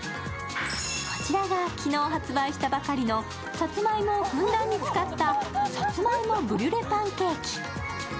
こちらが昨日発売したばかりのさつまいもをふんだんに使ったさつまいもブリュレパンケーキ。